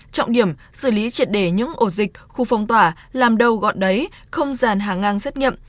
trọng điểm xử lý triệt đề những ổ dịch khu phong tỏa làm đâu gọn đấy không dàn hàng ngang xét nghiệm